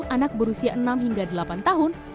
anak berusia enam hingga delapan tahun